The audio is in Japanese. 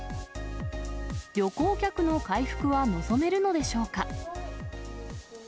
旅行客の回復は望めるのでしょうか。